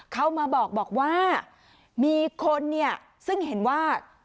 เขามาบอกว่ามีคนเนี่ยซึ่งเห็นว่า